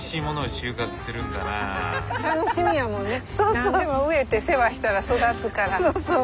何でも植えて世話したら育つから。